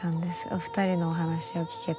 お二人のお話を聞けて。